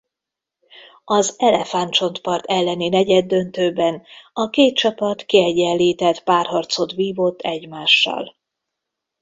Az Elefántcsontpart elleni negyeddöntőben a két csapat kiegyenlített párharcot vívott egymással.